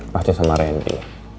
pasti sama randy